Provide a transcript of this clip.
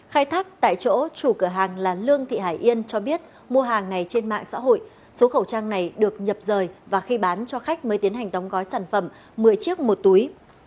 khai thác tại chỗ chủ cửa hàng là lương thị hải yên cho biết mua hàng này trên mạng xã hội số khẩu trang này được nhập rời và khi bán cho khách mới tiến hành đóng gói sản phẩm một mươi chiếc một túi